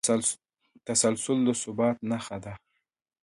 تسلسل د ثبات نښه ده.